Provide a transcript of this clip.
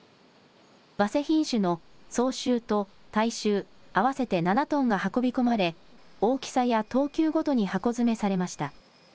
わせ品種の早秋と太秋、合わせて７トンが運び込まれ、大きさや等級ごとに箱詰めされました。